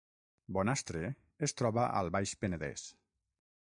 Bonastre es troba al Baix Penedès